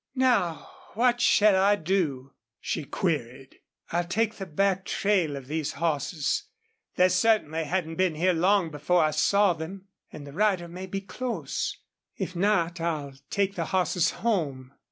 "Now, what shall I do?" she queried. "I'll take the back trail of these horses. They certainly hadn't been here long before I saw them. And the rider may be close. If not I'll take the horses home."